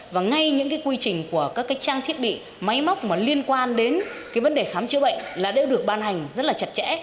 và ngay những quy trình của các trang thiết bị máy móc liên quan đến vấn đề khám chữa bệnh đã được ban hành rất chặt chẽ